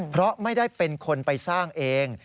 เพราะไม่ได้เป็นคนไปสร้างเอง